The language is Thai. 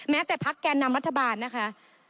แม้แต่ภักดิ์แกนนำรัฐบาลนะคะ